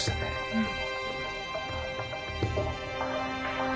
うん。